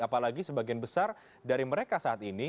apalagi sebagian besar dari mereka saat ini